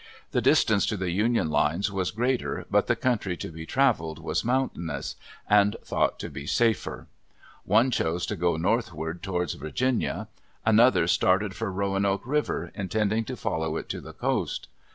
The distance to the Union lines was greater but the country to be traveled was mountainous, and thought to be safer. One chose to go northward towards Virginia. Another started for Roanoke River, intending to follow it to the coast.